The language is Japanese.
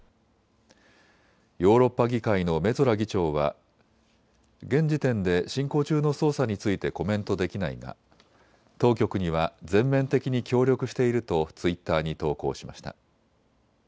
ヨーロッパ議会のメツォラ議長は現時点で進行中の捜査についてコメントできないが当局には全面的に協力しているとツイッターに投稿しました。